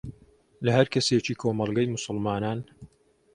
لە هەر کەسێکی کۆمەڵگەی موسڵمانان